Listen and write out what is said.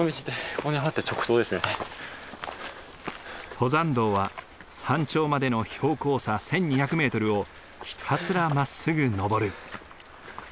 登山道は山頂までの標高差１，２００メートルをひたすらまっすぐ登る。